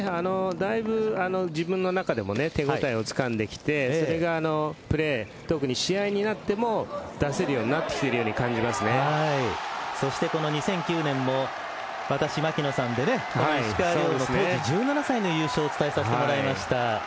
だいぶ自分の中でも手応えをつかんできてそれがプレー特に試合になっても出せるようになってきているようにそして、この２００９年も牧野さんと私で石川遼の当時１７歳の優勝をお伝えしました。